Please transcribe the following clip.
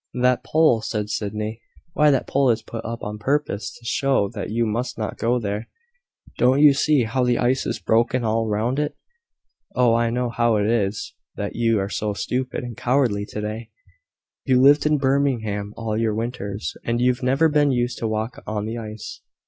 "That pole!" said Sydney. "Why, that pole is put up on purpose to show that you must not go there. Don't you see how the ice is broken all round it? Oh, I know how it is that you are so stupid and cowardly to day. You've lived in Birmingham all your winters, and you've never been used to walk on the ice."